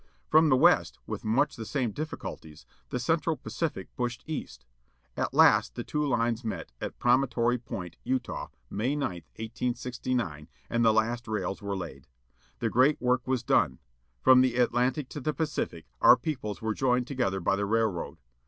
From the west, with much the same difficulties, the Central Pacific pushed east. At last the two lines met at Promontory Point, Utah, May 9, 1869, and the last rails were laid. The great work was done. From the Atlantic to the Pacific our peoples were joined together by the railroad.